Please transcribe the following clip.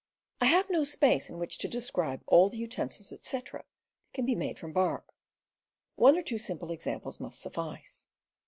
I have no space in which to describe all the utensils, etc., that can be made from bark. One or two simple T> , examples must suffice.